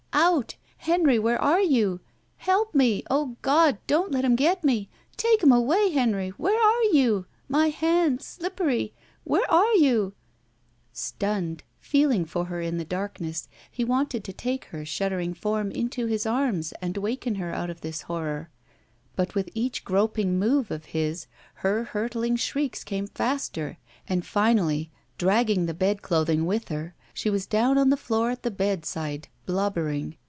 Out! Henry, where are you? Help me! O God, don't let him get me. Take him away, Henry! Where are you? My hands — slippeiy! Where are you —" Sttmned, feeling for her in the darkness, he wanted to take her shuddering form into his arms and waken her out of this horror, but with each groping move of his her hurtling shrieks came faster, and finally, dragging the bedclothing with her, she was down on the floor at the bedside, blobbering.